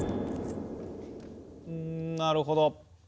んなるほど。